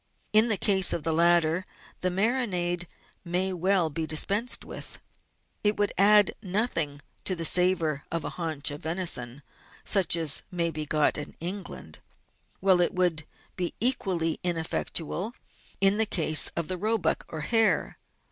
In the case of the latter, the marinade may well be dispensed with. It would add nothing to the savour of a haunch of venison, such as may be got in England, while it would be equally ineffectual in the case of the roebuck or hare.